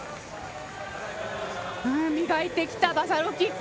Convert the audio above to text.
磨いてきたバサロキック。